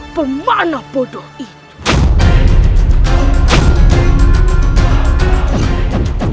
pemana bodoh itu